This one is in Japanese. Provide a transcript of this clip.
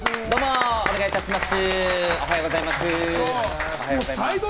どうもお願いいたします。